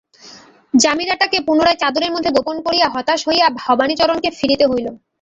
জামিয়ারটাকে পুনরায় চাদরের মধ্যে গোপন করিয়া হতাশ হইয়া ভবানীচরণকে ফিরিতে হইল।